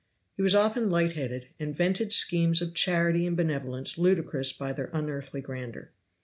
He was often light headed, and vented schemes of charity and benevolence ludicrous by their unearthly grandeur.